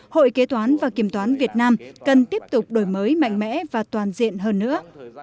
hội kế toán và kiểm toán việt nam cần tiếp tục đổi mới mạnh mẽ và toàn diện hơn nữa